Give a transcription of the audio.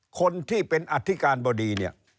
คนที่เป็นอธิการบดี